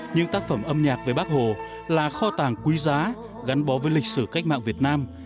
những tác phẩm âm nhạc về bác hồ là kho tàng quý giá gắn bó với lịch sử cách mạng việt nam